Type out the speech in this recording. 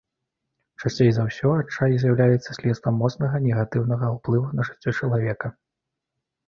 Часцей за ўсё адчай з'яўляецца следствам моцнага негатыўнага ўплыву на жыццё чалавека.